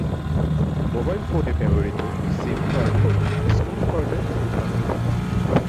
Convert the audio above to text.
Mobile phone এ ব্যবহৃত SIM card হল স্মার্ট কার্ডের উদাহরণ।